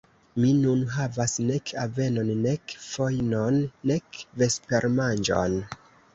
Mi nun havas nek avenon, nek fojnon, nek vespermanĝon.